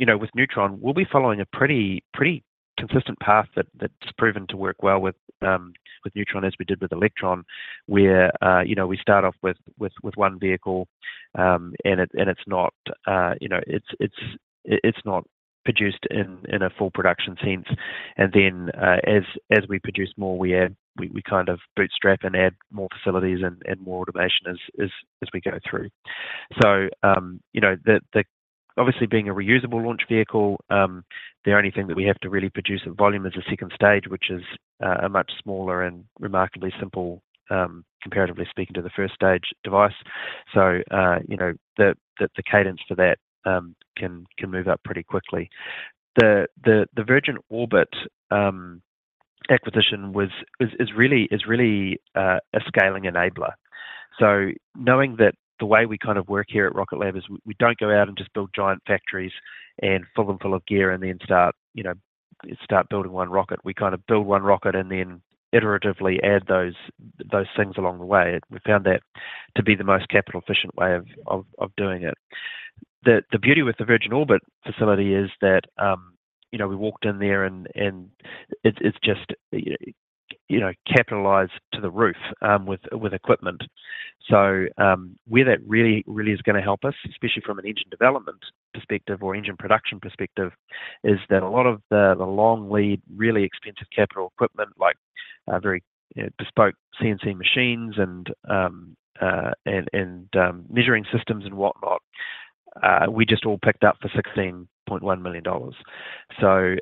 You know, with Neutron, we'll be following a pretty, pretty consistent path that, that's proven to work well with Neutron, as we did with Electron, where, you know, we start off with one vehicle. And it, and it's not, you know, it's not produced in a full production sense. As we produce more, we add, we kind of bootstrap and add more facilities and more automation as we go through. The, obviously, being a reusable launch vehicle, the only thing that we have to really produce in volume is a second stage, which is a much smaller and remarkably simple, comparatively speaking to the first stage, device. The, the, the cadence for that can move up pretty quickly. The, the, the Virgin Orbit acquisition was, is, is really, is really a scaling enabler. Knowing that the way we kind of work here at Rocket Lab is we don't go out and just build giant factories and fill them full of gear and then start, start building one rocket. We kind of build one rocket and then iteratively add those, those things along the way. We found that to be the most capital-efficient way of doing it. The, the beauty with the Virgin Orbit facility is that, you know, we walked in there, and, and it's just, you know, capitalized to the roof, with equipment. Where that really, really is gonna help us, especially from an engine development perspective or engine production perspective, is that a lot of the long lead, really expensive capital equipment, like, very bespoke CNC machines and, and measuring systems and whatnot, we just all picked up for $16.1 million.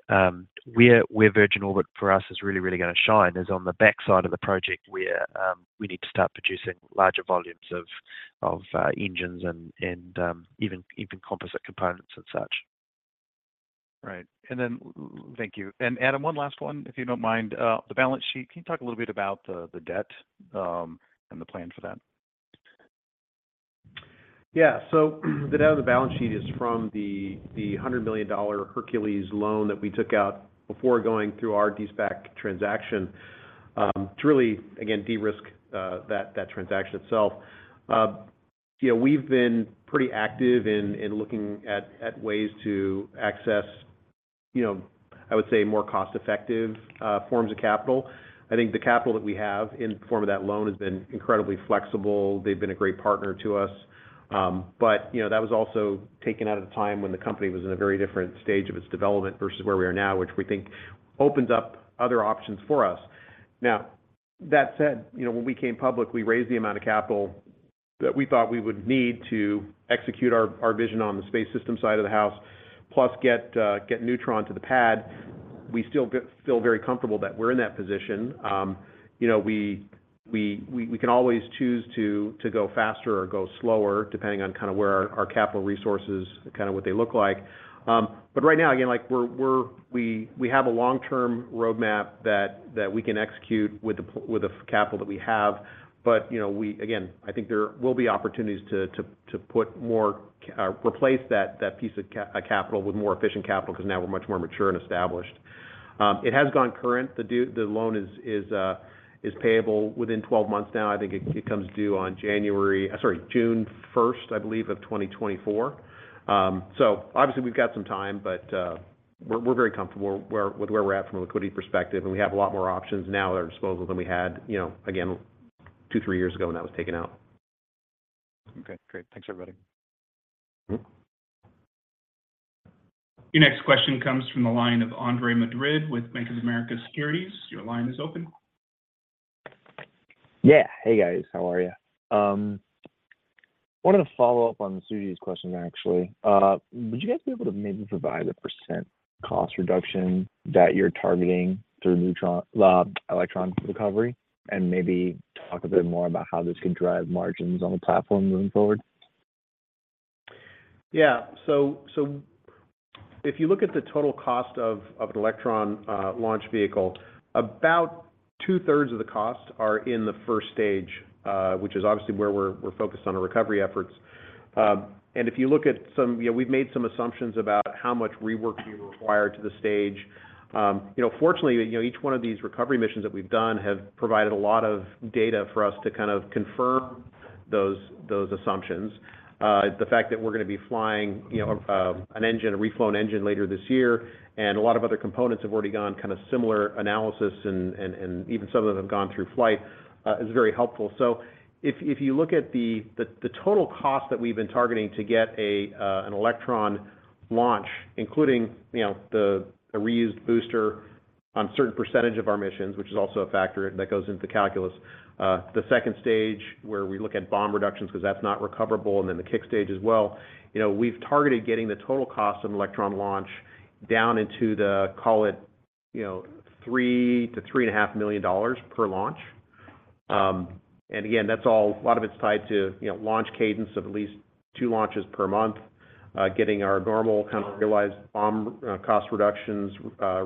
Where, where Virgin Orbit for us is really, really gonna shine is on the backside of the project, where we need to start producing larger volumes of engines and even composite components and such. Right. Thank you. Adam, one last one, if you don't mind. The balance sheet, can you talk a little bit about the debt, and the plan for that? Yeah. The debt on the balance sheet is from the $100 million Hercules Capital loan that we took out before going through our de-SPAC transaction, to really, again, de-risk that, that transaction itself. You know, we've been pretty active in, in looking at, at ways to access, you know, I would say, more cost-effective forms of capital. I think the capital that we have in the form of that loan has been incredibly flexible. They've been a great partner to us. You know, that was also taken at a time when the company was in a very different stage of its development versus where we are now, which we think opens up other options for us. That said, you know, when we came public, we raised the amount of capital that we thought we would need to execute our, our vision on the space system side of the house, plus get Neutron to the pad. We still feel very comfortable that we're in that position. You know, we can always choose to go faster or go slower, depending on kind of where our capital resources, kind of what they look like. Right now, again, like we have a long-term roadmap that, that we can execute with the capital that we have. You know, we. Again, I think there will be opportunities to put more, replace that, that piece of capital with more efficient capital, because now we're much more mature and established. It has gone current. The loan is payable within 12 months now. I think it comes due on June 1st, I believe, of 2024. Obviously, we've got some time, but we're very comfortable with where we're at from a liquidity perspective, and we have a lot more options now at our disposal than we had, you know, again, two, three years ago when that was taken out. Okay, great. Thanks, everybody. Mm-hmm. Your next question comes from the line of Andre Madrid with Bank of America Securities. Your line is open. Yeah. Hey, guys. How are you? wanted to follow up on Susie's question, actually. would you guys be able to maybe provide a percent cost reduction that you're targeting through Neutron, Electron recovery, and maybe talk a bit more about how this can drive margins on the platform moving forward? Yeah. If you look at the total cost of, of an Electron launch vehicle, about two-thirds of the costs are in the first stage, which is obviously where we're, we're focused on our recovery efforts. If you look at, you know, we've made some assumptions about how much rework will be required to the stage. You know, fortunately, you know, each one of these recovery missions that we've done have provided a lot of data for us to kind of confirm those, those assumptions. The fact that we're gonna be flying, you know, an engine, a reflown engine later this year, and a lot of other components have already gone kind of similar analysis, and even some of them have gone through flight, is very helpful. If, if you look at the, the, the total cost that we've been targeting to get an Electron launch, including, you know, the, a reused booster on a certain percentage of our missions, which is also a factor that goes into the calculus. The second stage, where we look at BOM reductions, because that's not recoverable, and then the Kick Stage as well, you know, we've targeted getting the total cost of an Electron launch down into the, call it, you know, $3 million-$3.5 million per launch. And again, that's all, a lot of it's tied to, you know, launch cadence of at least two launches per month, getting our normal kind of realized BOM cost reductions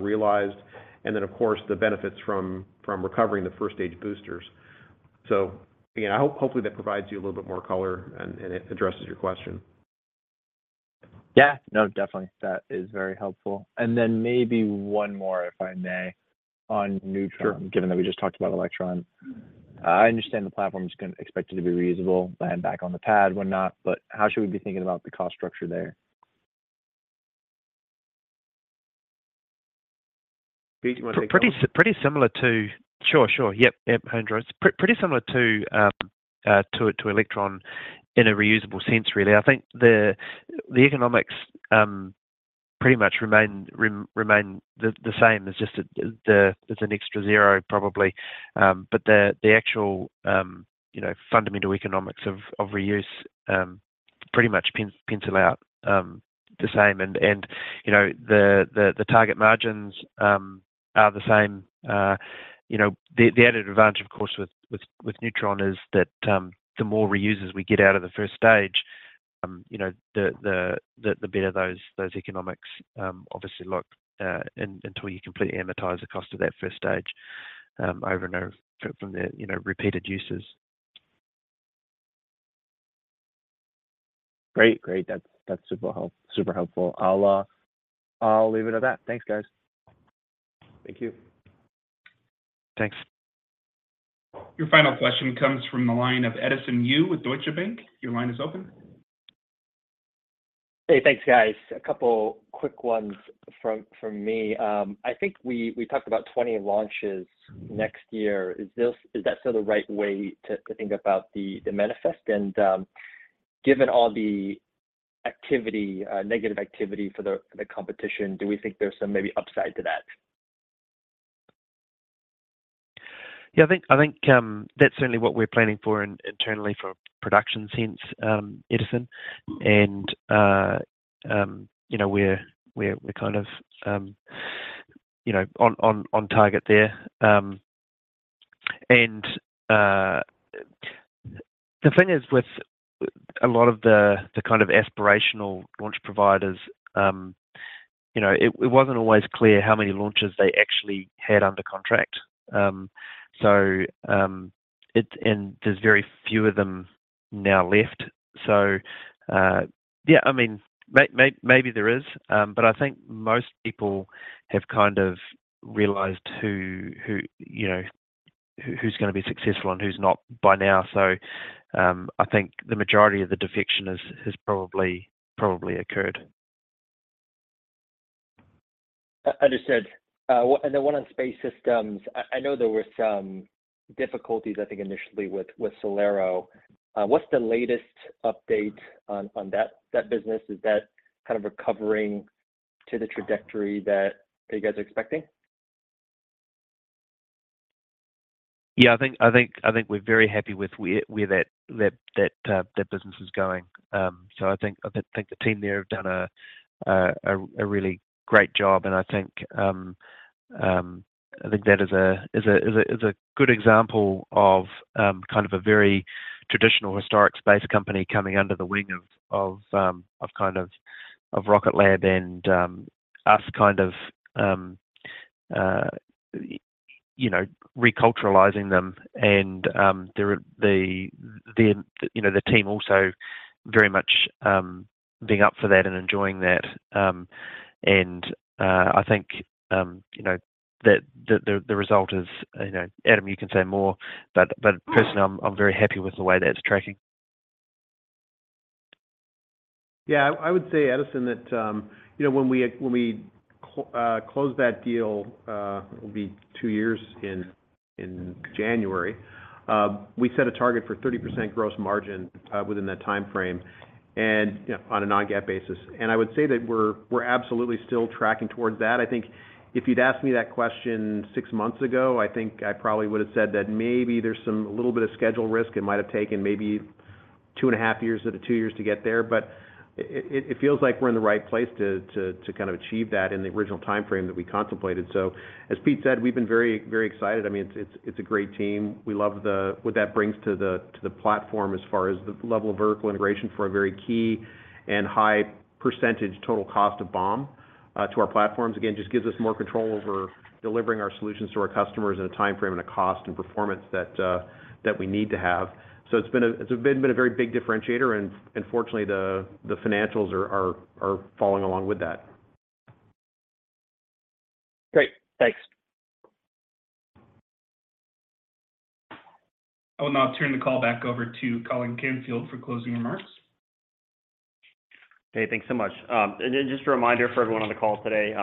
realized, and then, of course, the benefits from, from recovering the first-stage boosters. Again, hopefully, that provides you a little bit more color and, and it addresses your question. Yeah. No, definitely, that is very helpful. Then maybe one more, if I may, on Neutron... Sure Given that we just talked about Electron. I understand the platform is gonna expected to be reusable, land back on the pad, whatnot, but how should we be thinking about the cost structure there? Pete, do you want to take that one? Pretty similar to. Sure, sure. Yep, yep, Andre. It's pretty similar to Electron in a reusable sense, really. I think the economics pretty much remain the same. There's just an extra zero, probably. But the actual, you know, fundamental economics of reuse pretty much pencil out the same. You know, the target margins are the same. You know, the added advantage, of course, with Neutron is that the more reuses we get out of the first stage, you know, the better those economics obviously look until you completely amortize the cost of that first stage over and over from the, you know, repeated uses. Great, great. That's, that's super help- super helpful. I'll, I'll leave it at that. Thanks, guys. Thank you. Thanks. Your final question comes from the line of Edison Yu with Deutsche Bank. Your line is open. Hey, thanks, guys. A couple quick ones from, from me. I think we, we talked about 20 launches next year. Is this, is that still the right way to, to think about the, the manifest? Given all the activity, negative activity for the, the competition, do we think there's some maybe upside to that? Yeah, I think, I think, that's certainly what we're planning for internally for production since Edison. You know, we're, we're kind of, you know, on, on, on target there. The thing is, with a lot of the, the kind of aspirational launch providers, you know, it, it wasn't always clear how many launches they actually had under contract. It, there's very few of them now left. Yeah, I mean, maybe there is, but I think most people have kind of realized who, who, you know, who, who's gonna be successful and who's not by now. I think the majority of the defection has, has probably, probably occurred. Understood. Then one on space systems. I know there were some difficulties, I think, initially with SolAero. What's the latest update on that business? Is that kind of recovering to the trajectory that you guys are expecting? Yeah, I think, I think, I think we're very happy with where, where that, that, that, that business is going. I think, I think the team there have done a, a really great job, and I think, I think that is a, is a, is a, is a good example of, kind of a very traditional, historic space company coming under the wing of, of, of kind of, of Rocket Lab and, us kind of, you know, reculturalizing them. There are the, the, you know, the team also very much being up for that and enjoying that. I think, you know, that the, the, the result is, you know, Adam, you can say more, but, but personally, I'm, I'm very happy with the way that's tracking. Yeah, I would say, Edison, that, you know, when we, when we closed that deal, it will be 2 years in, in January, we set a target for 30% gross margin, within that time frame, and, you know, on a non-GAAP basis. I would say that we're, we're absolutely still tracking towards that. I think if you'd asked me that question 6 months ago, I think I probably would have said that maybe there's some little bit of schedule risk. It might have taken maybe 2.5 years or 2 years to get there. But it feels like we're in the right place to kind of achieve that in the original time frame that we contemplated. As Pete said, we've been very, very excited. I mean, it's, it's a great team. We love what that brings to the platform as far as the level of vertical integration for a very key and high percentage total cost of BOM to our platforms. Again, just gives us more control over delivering our solutions to our customers in a time frame and a cost and performance that we need to have. It's been a very big differentiator, and fortunately, the financials are following along with that. Great. Thanks. I will now turn the call back over to Colin Canfield for closing remarks. Okay, thanks so much. Just a reminder for everyone on the call today,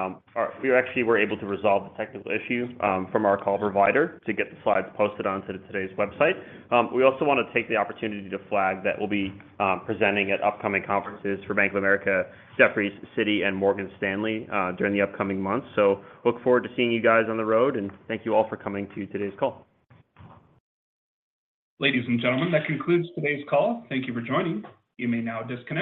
we actually were able to resolve the technical issue from our call provider to get the slides posted onto today's website. We also want to take the opportunity to flag that we'll be presenting at upcoming conferences for Bank of America, Jefferies, Citi, and Morgan Stanley during the upcoming months. Look forward to seeing you guys on the road, and thank you all for coming to today's call. Ladies and gentlemen, that concludes today's call. Thank you for joining. You may now disconnect.